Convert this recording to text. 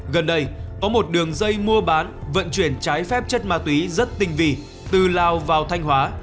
gần đây có một đường dây mua bán vận chuyển trái phép chất ma túy rất tinh vì từ lào vào thanh hóa